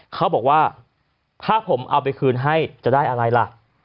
เขาบอกว่าถ้าผมเอาไปคืนให้จะได้อะไรล่ะ